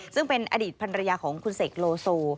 ซึ่งเป็นอดีตภรรยาของคุณเสกโลโซ